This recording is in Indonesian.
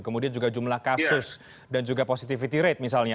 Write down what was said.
kemudian juga jumlah kasus dan juga positivity rate misalnya